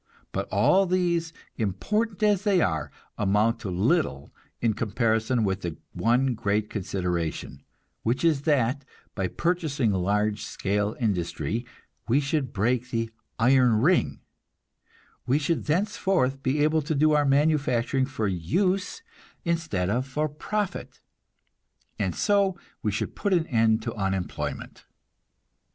But all these, important as they are, amount to little in comparison with the one great consideration, which is that by purchasing large scale industry, we should break the "iron ring"; we should thenceforth be able to do our manufacturing for use instead of for profit, and so we should put an end to unemployment.